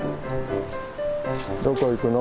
どこ行くの？